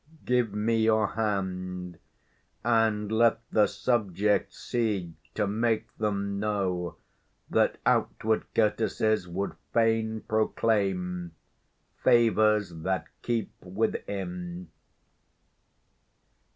Give me your hand, And let the subject see, to make them know That outward courtesies would fain proclaim 15 Favours that keep within.